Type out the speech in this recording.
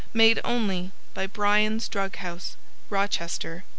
Made only by Bryans' Drug House, Rochester, N.